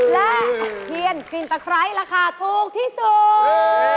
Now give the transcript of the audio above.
และเฮียนฟินตะครัยราคาถูกที่สุด